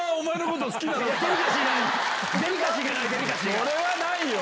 これはないよ！